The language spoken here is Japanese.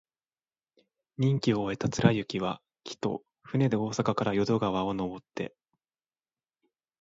任期を終えた貫之は、帰途、船で大阪から淀川をのぼって、